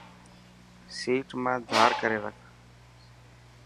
سيٽ مان ڌار ڪري رک.